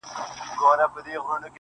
o زما د ژوند د كرسمې خبري.